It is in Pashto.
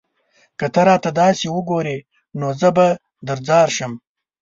که ته راته داسې وگورې؛ نو زه به درځار شم